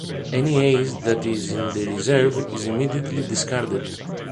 Any ace that is in the reserve is immediately discarded.